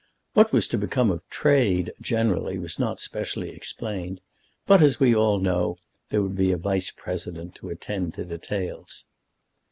What was to become of "Trade" generally, was not specially explained; but, as we all know, there would be a Vice President to attend to details.